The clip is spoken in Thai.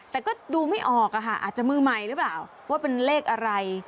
แต่ก็ดูไม่ออกอะค่ะอาจจะมือใหม่หรือเปล่าว่าเป็นเลขอะไร